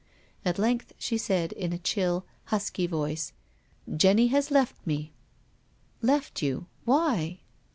At length she said, in a chill, husky voice, " Jenny has left me." " Left you— why